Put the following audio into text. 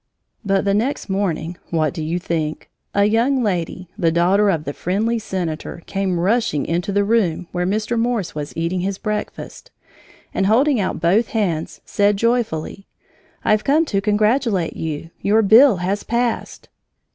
But the next morning what do you think? a young lady, the daughter of the friendly senator, came rushing into the room where Mr. Morse was eating his breakfast, and holding out both hands, said joyfully: "I've come to congratulate you. Your bill has passed!"